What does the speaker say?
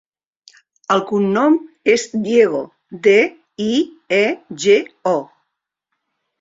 El cognom és Diego: de, i, e, ge, o.